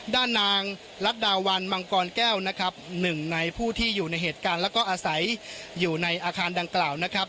ด้านนางรัฐดาวันมังกรแก้วนะครับหนึ่งในผู้ที่อยู่ในเหตุการณ์แล้วก็อาศัยอยู่ในอาคารดังกล่าวนะครับ